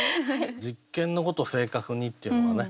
「実験のごと正確に」っていうのがね